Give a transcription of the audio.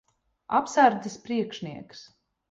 Apsardzes priekšnieks.